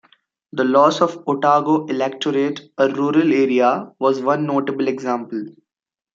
The loss of Otago electorate, a rural area, was one notable example.